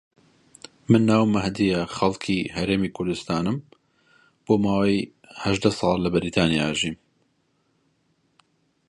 دوای نووستنێکی کەم خۆمان شتەوە